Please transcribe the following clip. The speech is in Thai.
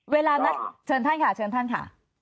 เวลานัดเชิญท่านค่ะเชิญท่านค่ะ